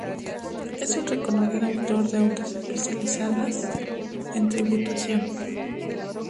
Es un reconocido autor de obras especializadas en tributación.